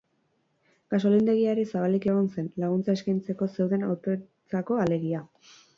Gasolindegia ere zabalik egon zen, laguntza eskaintzeko zeuden autoentzako, alegia.